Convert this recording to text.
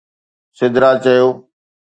سدرا چيو